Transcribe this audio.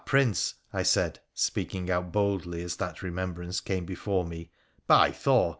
Prince !' I said, speaking out boldly as that remem brance came before me, ' by Thor